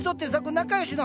仲良しの。